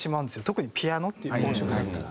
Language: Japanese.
特にピアノっていう音色だったら。